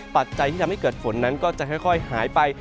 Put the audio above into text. ปัจจัยที่ทำให้เกิดฝนนั้นก็จะค่อยหายไป